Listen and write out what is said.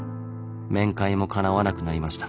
面会もかなわなくなりました。